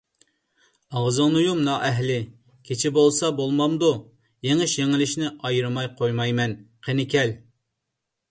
ئاغزىڭنى يۇم نائەھلى! كېچە بولسا بولمامدۇ، يېڭىش - يېڭىلىشنى ئايرىماي قويمايمەن، قېنى كەل!